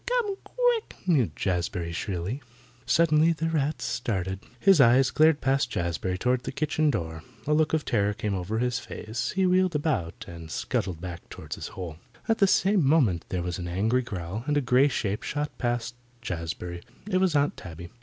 Come quick," mewed Jazbury shrilly. Suddenly the rat started. His eyes glared past Jazbury toward the kitchen door. A look of terror came over his face. He wheeled about and scuttled back toward his hole. At the same moment there was an angry growl, and a grey shape shot past Jazbury. It was Aunt Tabby.